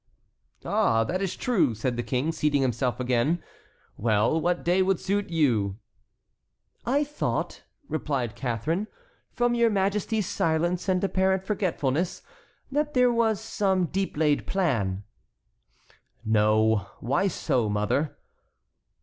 "Ah, that is true," said the King, seating himself again. "Well, what day would suit you?" "I thought," replied Catharine, "from your Majesty's silence and apparent forgetfulness, that there was some deep laid plan." "No," said Charles; "why so, mother?"